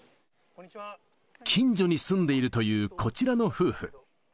近所に住んでいるという、こちらの夫婦。